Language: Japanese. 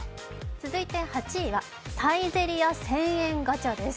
続いて８位はサイゼリヤ１０００円ガチャです。